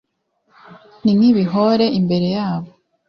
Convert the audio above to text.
ni nk ibihore imbere yabo